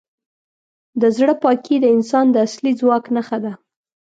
د زړه پاکي د انسان د اصلي ځواک نښه ده.